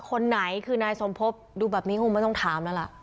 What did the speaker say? คนไหนคือนายสมภพดูแบบนี้คงไม่ต้องถามแล้วล่ะ